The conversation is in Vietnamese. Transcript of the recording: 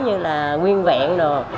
như là nguyên vẹn đồ